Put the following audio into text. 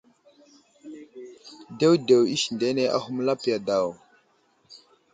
Dewdew isindene ahum lapiya daw.